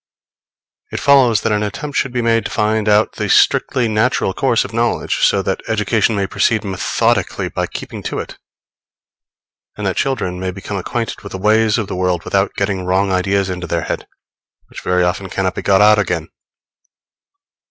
It follows that an attempt should be made to find out the strictly natural course of knowledge, so that education may proceed methodically by keeping to it; and that children may become acquainted with the ways of the world, without getting wrong ideas into their heads, which very often cannot be got out again.